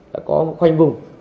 đã có khoanh vùng